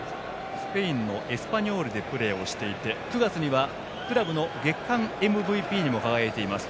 スペインのエスパニョールでプレーをしていて、９月にはクラブの月間ＭＶＰにも輝いています。